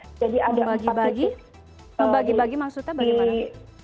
membagi bagi membagi bagi maksudnya bagaimana